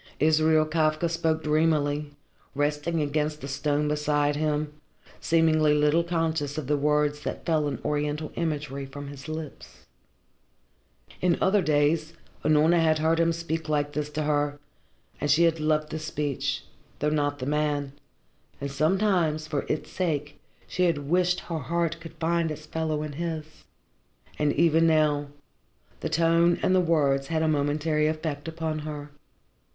Israel Kafka spoke dreamily, resting against the stone beside him, seemingly little conscious of the words that fell in oriental imagery from his lips. In other days Unorna had heard him speak like this to her, and she had loved the speech, though not the man, and sometimes for its sake she had wished her heart could find its fellow in his. And even now, the tone and the words had a momentary effect upon her.